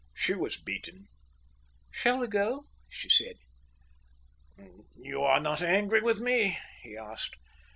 She was beaten. "Shall we go?" she said. "You are not angry with me?" he asked.